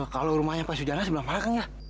kalau rumahnya pak sujana sebelah mana kang ya